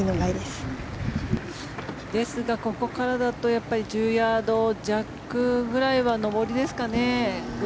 ですが、ここからだと１０ヤード弱ぐらいは上りですかね。